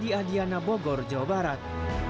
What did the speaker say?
di adiana bogor jawa barat